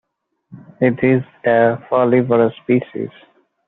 It is a folivorous species.